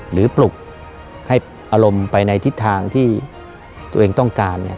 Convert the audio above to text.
ปลุกให้อารมณ์ไปในทิศทางที่ตัวเองต้องการ